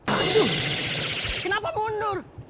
aduh kenapa mundur